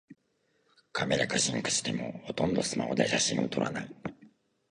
カメラが進化してもほとんどスマホで写真を撮らない